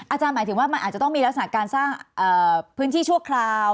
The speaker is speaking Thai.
หมายถึงว่ามันอาจจะต้องมีลักษณะการสร้างพื้นที่ชั่วคราว